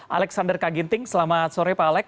alexander kaginting selamat sore pak alex